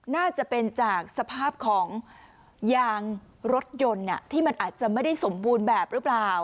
น่าจะเป็นจากสภาพของยางรถยนต์ที่มันอาจจะไม่ได้สมบูรณ์แบบหรือเปล่า